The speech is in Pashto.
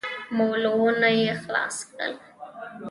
مولونه يې خلاص کړل.